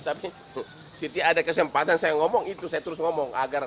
tapi setiap ada kesempatan saya ngomong itu saya terus ngomong